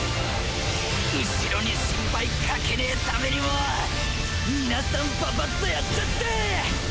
後衛に心配かけね為にも皆さんパパッとやっちゃって！